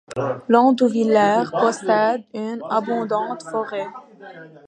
Landonvillers possède une abondante forêt.